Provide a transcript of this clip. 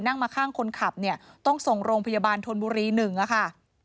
นั่งมาข้างคนขับเนี่ยต้องส่งโรงพยาบาลธนบุรี๑ค่ะ